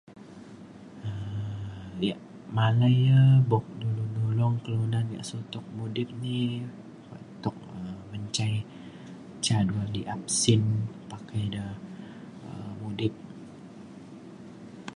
um yak malai e buk dulu nulong kelunan yak sutok mudip ni tuk e menjai ca dua liap sin pakai ida um mudip